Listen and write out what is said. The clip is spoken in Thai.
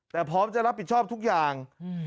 แต่พร้อมจะรับผิดชอบทุกอย่าง